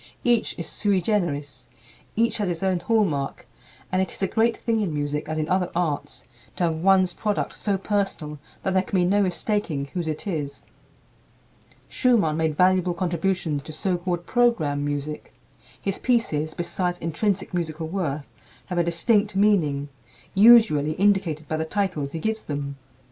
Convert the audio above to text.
Each is sui generis, each has his own hallmark, and it is a great thing in music, as in other arts, to have one's product so personal that there can be no mistaking whose it is. Schumann made valuable contributions to so called program music. His pieces, besides intrinsic musical worth, have a distinct meaning, usually indicated by the titles he gives them.